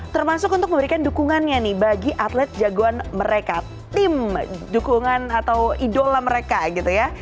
termasuk untuk memberikan dukungannya nih bagi atlet jagoan mereka tim dukungan atau idola mereka gitu ya